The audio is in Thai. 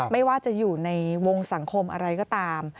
ไม่ว่าจะอยู่ในวงสังคมอะไรก็ตาม